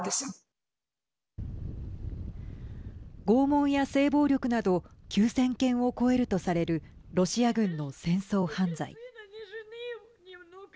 拷問や性暴力など９０００件を超えるとされるロシア軍の戦争犯罪。